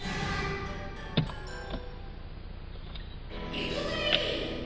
いくぜ！